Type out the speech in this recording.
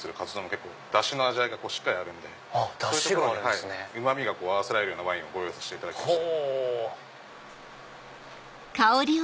結構ダシの味がしっかりあるんでそういうところにうまみが合わせられるようなワインをご用意させていただきました。